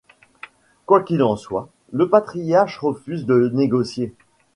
Quoi qu'il en soit, le patriarche refuse de négocier.